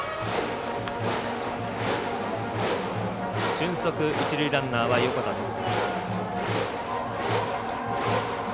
俊足、一塁ランナーは横田です。